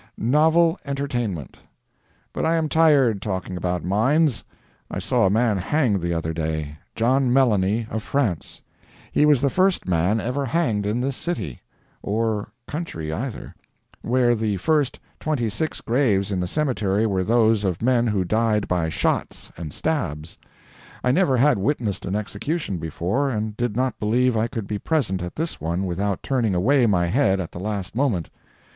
NOVEL ENTERTAINMENT But I am tired talking about mines. I saw a man hanged the other day. John Melanie, of France. He was the first man ever hanged in this city (or country either), where the first twenty six graves in the cemetery were those of men who died by shots and stabs. I never had witnessed an execution before, and did not believe I could be present at this one without turning away my head at the last moment.